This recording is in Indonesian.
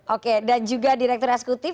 oke dan juga direktur eksekutif